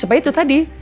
supaya itu tadi